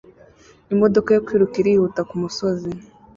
Imodoka yo kwiruka irihuta kumusozi